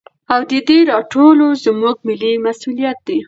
او د دې راټولو زموږ ملي مسوليت دى.